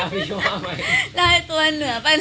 มีณข่าวไปสัมภาษณ์